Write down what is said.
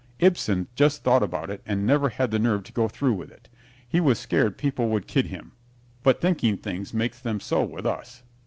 Ibsen just thought about it and never had the nerve to go through with it. He was scared people would kid him, but thinking things makes them so with us.